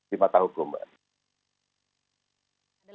lima tahun belum